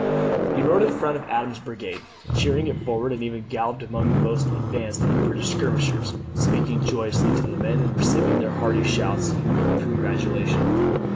He rode in front of Adams's brigade, cheering it forward, and even galloped among the most advanced of the British skirmishers, speaking joyously to the men, and receiving their hearty shouts of congratulation.